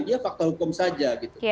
dia faktor hukum saja gitu